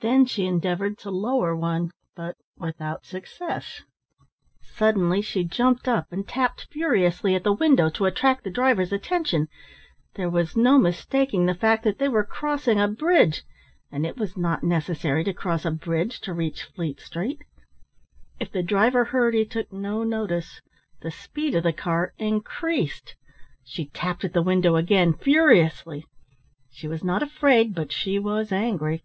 Then she endeavoured to lower one, but without success. Suddenly she jumped up and tapped furiously at the window to attract the driver's attention. There was no mistaking the fact that they were crossing a bridge and it was not necessary to cross a bridge to reach Fleet Street. If the driver heard he took no notice. The speed of the car increased. She tapped at the window again furiously. She was not afraid, but she was angry.